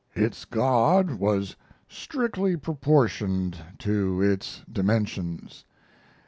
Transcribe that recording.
Its God was strictly proportioned to its dimensions.